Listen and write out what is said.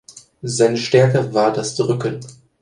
Seine Stärke war das Drücken.